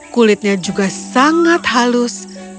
kulitnya juga sangat halus